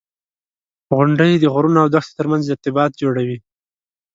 • غونډۍ د غرونو او دښتو ترمنځ ارتباط جوړوي.